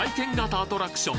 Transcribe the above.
アトラクション